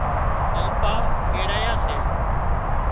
ڪانپاڪڙيئا سي